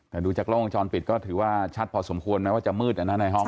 แต่ดูจากกล้องวงจรปิดก็ถือว่าชัดพอสมควรแม้ว่าจะมืดในห้อง